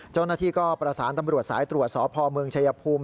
เจ้าหน้าที่ก็ประสานตำรวจสายตรวจสพเมืองชายภูมิ